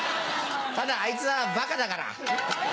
ただあいつはバカだから。